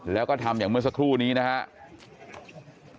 แล้วก็ทำอย่างเมื่อสักครู่นี้นะครับ